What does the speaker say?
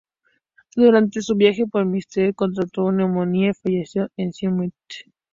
Durante su viaje por Mississipi contrajo neumonía, y falleció en Summit.